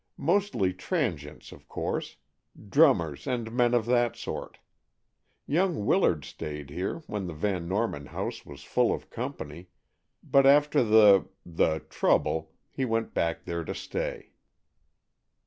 Mostly transients, of course; drummers and men of that sort. Young Willard stayed here, when the Van Norman house was full of company, but after the—the trouble, he went back there to stay."